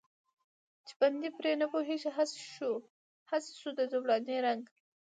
چې بندي پرې نه پوهېږي، هسې شو د زولانې رنګ.